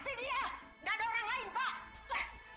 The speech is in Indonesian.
terima kasih dut